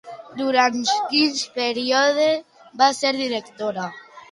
Durant quin període va ser directora?